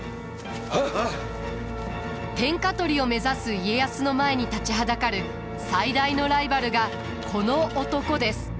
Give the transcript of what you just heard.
天下取りを目指す家康の前に立ちはだかる最大のライバルがこの男です。